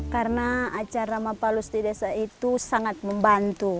karena acara mapalus di desa itu sangat membantu